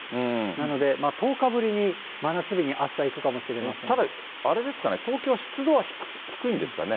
なので、１０日ぶりに真夏日にあした、ただ、あれですかね、東京は湿度は低いんですかね。